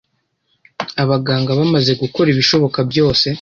abaganga bamaze gukora ibishoboka byose